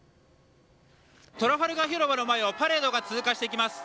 トラファルガー広場の前をパレードが通過していきます。